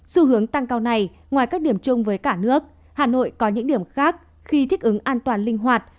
xu hướng tăng cao này ngoài các điểm chung với cả nước hà nội có những điểm khác khi thích ứng an toàn linh hoạt